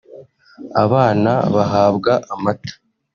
abana bahabwa amata